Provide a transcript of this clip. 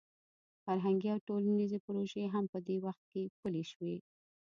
فرهنګي او ټولنیزې پروژې هم په دې وخت کې پلې شوې.